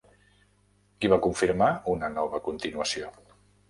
Qui va confirmar una nova continuació?